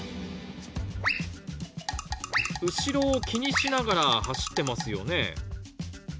後ろを気にしながら走ってますよね